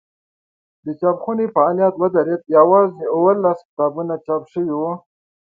د چاپخونې فعالیت ودرېد یوازې اوولس کتابونه چاپ شوي وو.